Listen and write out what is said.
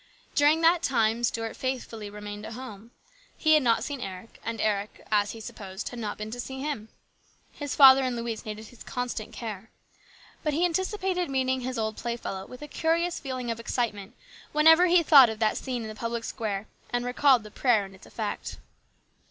During that time Stuart faithfully remained at home. He had not seen Eric, and Eric, as he supposed, had not been to see him. His father and Louise needed his constant care. But he anticipated meeting his old playfellow with a curious feeling of excitement whenever he .thought of that scene in the public square and recalled the prayer and its effect.